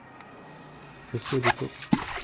Je suis au dépôt.